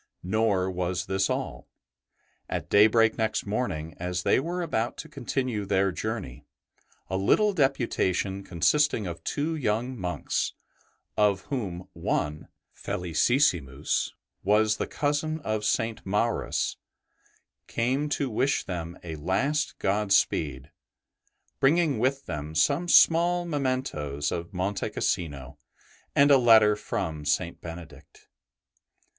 Nor was this all. At daybreak next morning, as they were about to continue their journey, a little deputation consisting of two young monks, of whom one, Felicissimus, was the cousin of St. Maurus, came to wish them a last godspeed, bringing with them some small mementoes of Monte Cassino and a letter from St. Benedict.